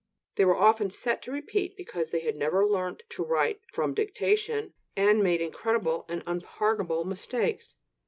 They were often set to repeat because they had never learnt to write "from dictation," and made incredible and unpardonable mistakes.